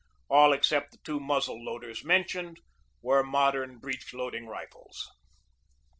All except the two muzzle loaders mentioned were modern breech loading rifles.